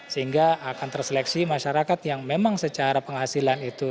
sehingga akan terseleksi masyarakat yang memang secara penghasilan itu